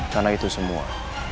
karena itu semua